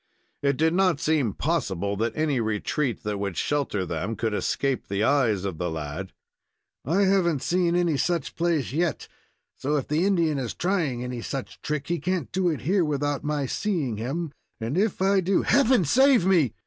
It did not seem possible that any retreat that would shelter them could escape the eyes of the lad. "I haven't seen any such place yet, so, if the Indian is trying any such trick, he can't do it here without my seeing him, and if I do Heaven save me!"